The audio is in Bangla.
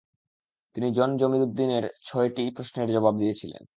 তিনি জন জমিরুদ্দীনের ছয়টি প্রশ্নের জবাব দিয়েছিলেন।